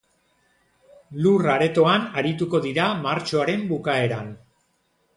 Lur aretoan arituko dira martxoaren bukaeran.